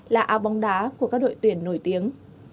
là áo bóng đá của các đội tuyển nổi tiếng